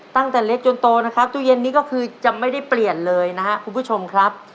ตั้งแต่เล็กจนโตนะครับตู้เย็นนี้ก็คือจะไม่ได้เปลี่ยนเลยนะครับคุณผู้ชมครับ